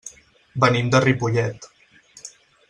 Venim de Ripollet.